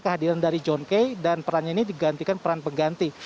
kehadiran dari john kay dan perannya ini digantikan peran pengganti